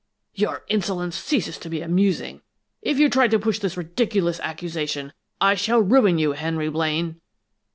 Your insolence ceases to be amusing! If you try to push this ridiculous accusation, I shall ruin you, Henry Blaine!"